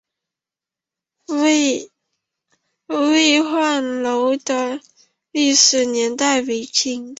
巍焕楼的历史年代为清代。